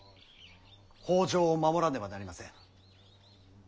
北条を守らねばなりません。